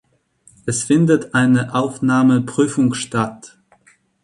Es findet eine Aufnahmeprüfung statt.